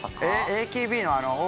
ＡＫＢのあの大。